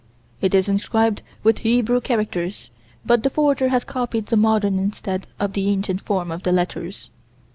It is inscribed with Hebrew characters, but the forger has copied the modern instead of the ancient form of the letters."